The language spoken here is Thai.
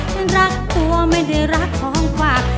ฉันรักตัวไม่ได้รักของขวาก